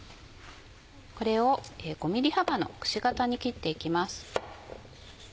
これを５ｍｍ幅のくし形に切っていきます。